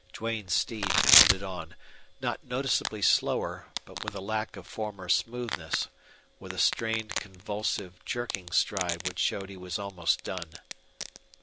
Duane's steed pounded on, not noticeably slower, but with a lack of former smoothness, with a strained, convulsive, jerking stride which showed he was almost done.